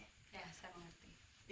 ya saya mengerti